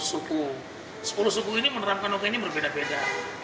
sepuluh suku ini menerapkan noken ini berbeda beda